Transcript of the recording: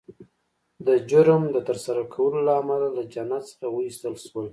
د جرم د ترسره کولو له امله له جنت څخه وایستل شول